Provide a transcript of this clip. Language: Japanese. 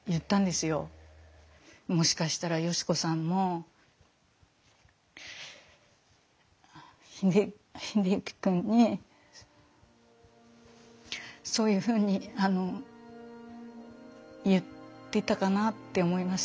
もしかしたら嘉子さんも英之君にそういうふうに言ってたかなって思います。